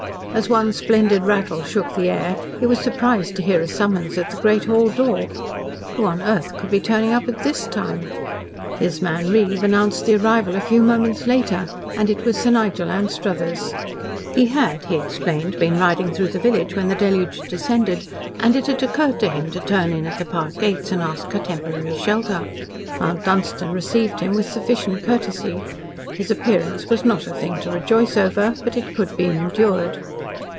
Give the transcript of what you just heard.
As one splendid rattle shook the air he was surprised to hear a summons at the great hall door. Who on earth could be turning up at this time? His man Reeve announced the arrival a few moments later, and it was Sir Nigel Anstruthers. He had, he explained, been riding through the village when the deluge descended, and it had occurred to him to turn in at the park gates and ask a temporary shelter. Mount Dunstan received him with sufficient courtesy. His appearance was not a thing to rejoice over, but it could be endured.